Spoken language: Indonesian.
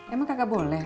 emang kakak boleh